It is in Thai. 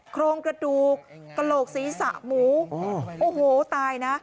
โครงกระดูกกระโหลกศีรษะหมูโอ้โหตายนะ